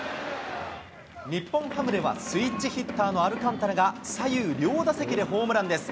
日本ハムではスイッチヒッターのアルカンタラが、左右両打席でホームランです。